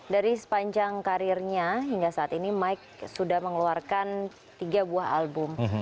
dari sepanjang karirnya hingga saat ini mike sudah mengeluarkan tiga buah album